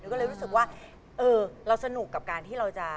ก็เลยรู้สึกว่าเออเราสนุกกับการที่เราจะ